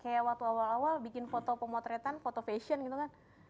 kayak waktu awal awal bikin foto pemotretan foto fashion gitu kan